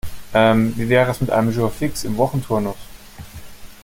Ähm, wie wäre es mit einem Jour fixe im Wochenturnus?